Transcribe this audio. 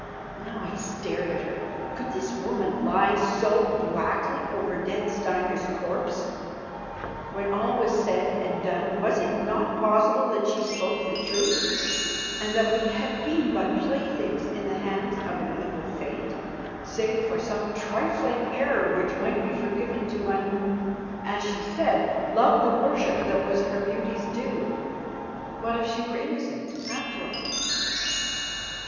Now I stared at her. Could this woman lie so blackly over dead Steinar's corpse? When all was said and done, was it not possible that she spoke the truth, and that we had been but playthings in the hands of an evil Fate? Save for some trifling error, which might be forgiven to one who, as she said, loved the worship that was her beauty's due, what if she were innocent, after all?